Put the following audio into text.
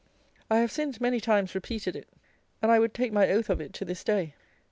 I have since many times repeated it; and I would take my oath of it to this day.